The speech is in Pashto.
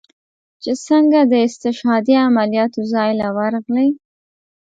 چې سنګه د استشهاديه عملياتو زاى له ورغلې.